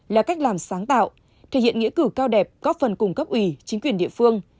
là cách làm sáng tạo thể hiện nghĩa cử cao đẹp có phần cung cấp ủy chính quyền địa phương